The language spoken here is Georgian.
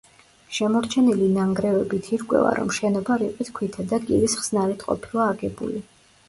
შემორჩენილი ნანგრევებით ირკვევა, რომ შენობა რიყის ქვითა და კირის ხსნარით ყოფილა აგებული.